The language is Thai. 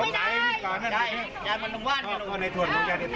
จำคดีต่ายห้องเร็วอย่างไม่ได้